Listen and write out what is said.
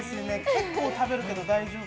結構食べるけど大丈夫？